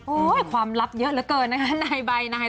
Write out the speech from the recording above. ความลับเยอะเหลือเกินนะคะนายใบนาย